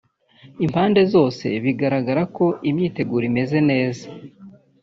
Impande zose bigaragara ko imyiteguro imeze neza